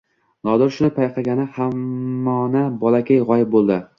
Nodir shuni payqagani hamono bolakay g‘oyib bo‘ldi.